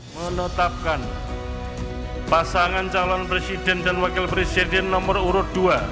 menetapkan pasangan calon presiden dan wakil presiden nomor urut dua